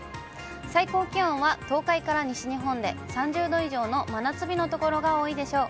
最高気温は東海から西日本で３０度以上の真夏日の所が多いでしょう。